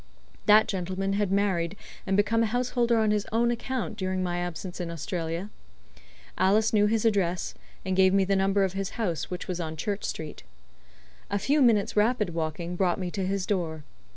That gentleman had married and become a householder on his own account during my absence in Australia. Alice knew his address, and gave me the number of his house, which was on Church Street. A few minutes' rapid walking brought me to his door.